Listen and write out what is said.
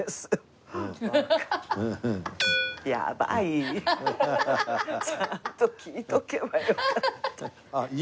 ちゃんと聞いとけばよかった。